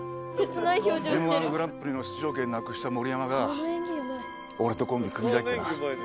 『Ｍ−１グランプリ』の出場権なくした盛山が俺とコンビ組みたいってな。